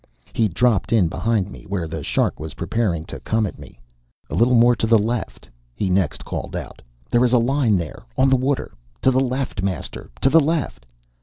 He dropped in behind me, where the shark was preparing to come at me. "A little more to the left!" he next called out. "There is a line there on the water. To the left, master to the left!"